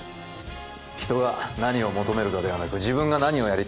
「人が何を求めるかではなく自分が何をやりたいか」